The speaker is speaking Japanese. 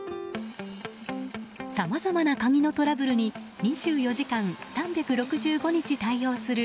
さまざまな鍵のトラブルに２４時間３６５日対応する